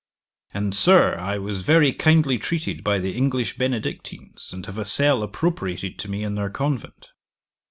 And, Sir, I was very kindly treated by the English Benedictines, and have a cell appropriated to me in their convent.'